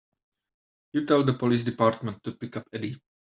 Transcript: You tell the police department to pick up Eddie.